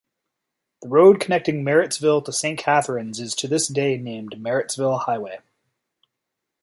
The road connecting Merrittsville to Saint Catharines is to this day named Merrittsville Highway.